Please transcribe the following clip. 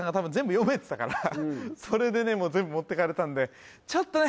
もうそれでね全部持ってかれたんでちょっとね